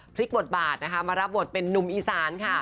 พลิกบทบาทมารับวทเป็นนุ่มอีศาล